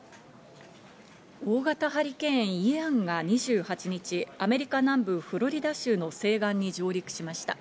大型ハリケーン・イアンが２８日、アメリカ南部フロリダ州の西岸に上陸しました。